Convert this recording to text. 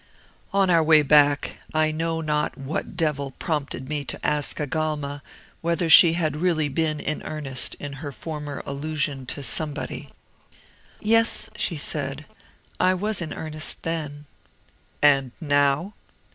"On our way back, I know not what devil prompted me to ask Agalma whether she had really been in earnest in her former allusion to 'somebody.' "'Yes,' she said, 'I was in earnest then.' "'And now?'